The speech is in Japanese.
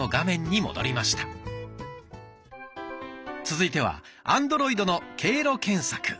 続いてはアンドロイドの経路検索。